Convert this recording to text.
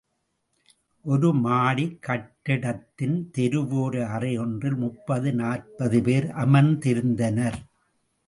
ஒரு மாடிக் கட்டிடத்தின் தெருவோர அறையொன்றில், முப்பது நாற்பது பேர் அமர்ந்திருந்தனர்.